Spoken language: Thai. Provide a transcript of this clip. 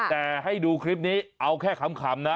แต่ให้ดูคลิปนี้เอาแค่ขำนะ